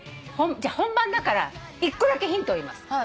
じゃ本番だから一個だけヒントを言います。